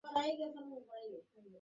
হ্যাঁ, গাড়িতে গাড়িতে ধুল পরিমাণ।